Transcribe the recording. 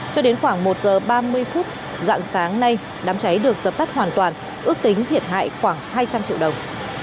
cho đến khoảng một giờ ba mươi phút dạng sáng nay đám cháy được dập tắt hoàn toàn ước tính thiệt hại khoảng hai trăm linh triệu đồng